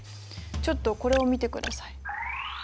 ちょっとこれを見てください。